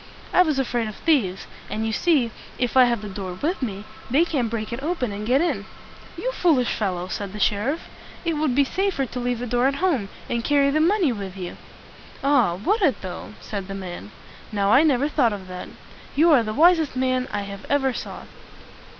"I was afraid of thieves; and you see, if I have the door with me, they can't break it open and get in." "You foolish fellow!" said the sheriff. "It would be safer to leave the door at home, and carry the money with you." "Ah, would it, though?" said the man. "Now, I never thought of that. You are the wisest man that I ever saw."